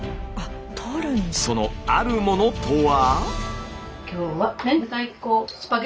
そのあるものとは。